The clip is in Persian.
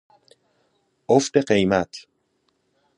افت قیمت